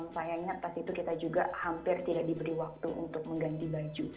sayangnya pas itu kita juga hampir tidak diberi waktu untuk mengganti baju